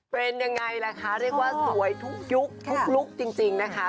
เป็นยังไงล่ะคะเรียกว่าสวยทุกยุคทุกลุคจริงนะคะ